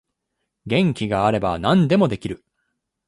元気があれば何でもできる